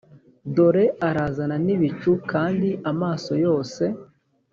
dore arazana n ibicu kandi amaso yose